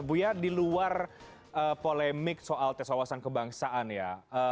buya di luar polemik soal tes wawasan kebangsaan ya